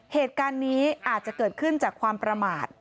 เหตุการณ์นี้อาจจะเกิดขึ้นจากความประมาท